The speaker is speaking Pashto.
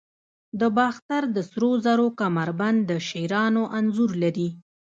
د باختر د سرو زرو کمربند د شیرانو انځور لري